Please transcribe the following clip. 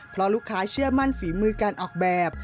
เพราะลูกค้าเชื่อมั่นฝีมือการออกแบบ